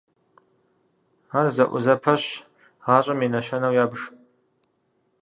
Ар зэӀузэпэщ гъащӀэм и нэщэнэу ябж.